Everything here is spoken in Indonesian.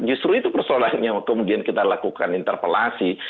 justru itu persoalannya kemudian kita lakukan interpelasi